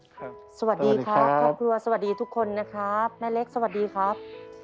สวัสดีครับครอบครัวสวัสดีทุกคนนะครับแม่เล็กสวัสดีครับ